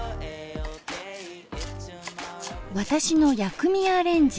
私の薬味アレンジ。